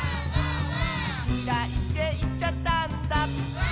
「きらいっていっちゃったんだ」